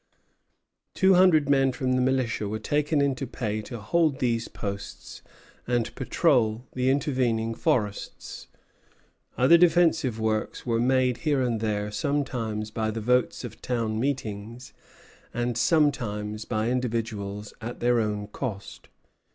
Two hundred men from the militia were taken into pay to hold these posts and patrol the intervening forests. Other defensive works were made here and there, sometimes by the votes of town meetings, and sometimes by individuals, at their own cost.